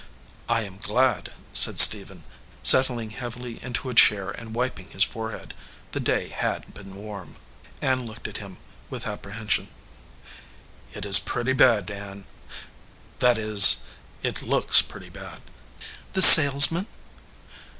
"I am glad," said Stephen, settling heavily into a chair and wiping his forehead. The day had been warm. Ann looked at him, with apprehension. "It is pretty bad, Ann. That is, it looks pretty bad." "The salesman?"